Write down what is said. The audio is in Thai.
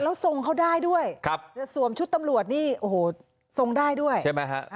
แล้วทรงเขาได้ด้วยครับจะสวมชุดตำรวจนี่โอ้โหทรงได้ด้วยใช่ไหมฮะ